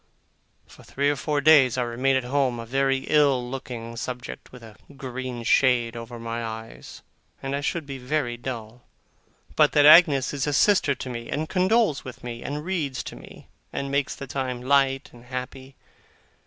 For three or four days I remain at home, a very ill looking subject, with a green shade over my eyes; and I should be very dull, but that Agnes is a sister to me, and condoles with me, and reads to me, and makes the time light and happy.